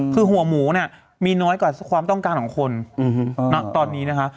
คือหัวหมูเนี่ยมีน้อยกว่าความต้องการของคนตอนนี้นะคะ